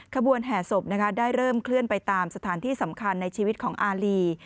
ขบวนแห่ศพได้เริ่มเคลื่อนไปตามสถานที่สำคัญในชีวิตของอารี